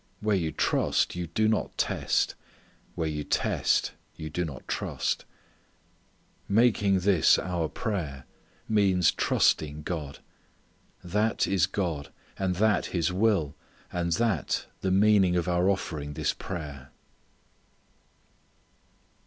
Where you trust you do not test. Where you test you do not trust. Making this our prayer means trusting God. That is God, and that His will, and that the meaning of our offering this prayer.